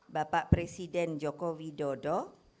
bapak presiden joko widodo